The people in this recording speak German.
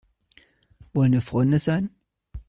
Wollen wir Freunde sein?